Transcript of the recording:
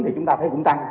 thì chúng ta thấy cũng tăng